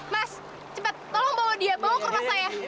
mas cepat tolong bawa dia bawa ke rumah saya